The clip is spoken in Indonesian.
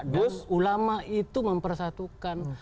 dan ulama itu mempersatukan